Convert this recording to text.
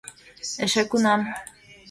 Эше кунам...